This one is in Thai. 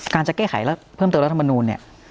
การจะแก้ไขเพิ่มเติมรัฐมนุนเนี่ย